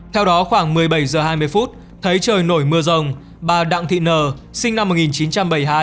theo đó khoảng một mươi bảy h hai mươi phút thấy trời nổi mưa rồng bà đặng thị nờ sinh năm một nghìn chín trăm bảy mươi hai